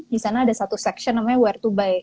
di sana ada satu section namanya where to buy